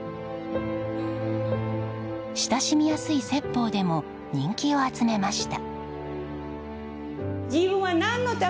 親しみやすい説法でも人気を集めました。